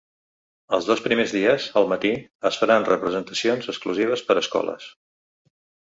Els dos primers dies, al matí, es faran representacions exclusives per a escoles.